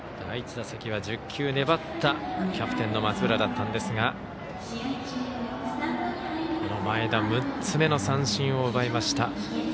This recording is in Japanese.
第１打席は１０球粘ったキャプテンの松村だったんですが前田６つ目の三振を奪いました。